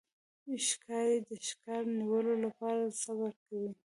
ښکاري د ښکار د نیولو لپاره صبر کوي.